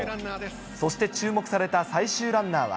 そして注目された最終ランナーは。